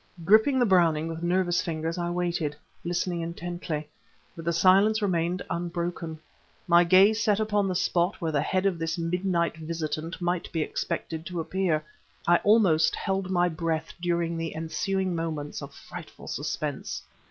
Gripping the Browning with nervous fingers I waited, listening intently; but the silence remained unbroken. My gaze set upon the spot where the head of this midnight visitant might be expected to appear, I almost held my breath during the ensuing moments of frightful suspense.